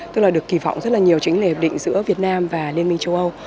tức là được kỳ vọng rất là nhiều chính là hiệp định giữa việt nam và liên minh châu âu